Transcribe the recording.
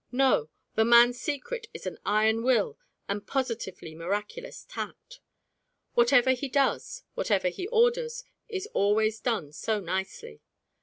No! the man's secret is an iron will and positively miraculous tact. Whatever he does, whatever he orders, is always done so nicely.